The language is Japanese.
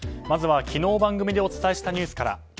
まずは昨日番組でお伝えしたニュースから。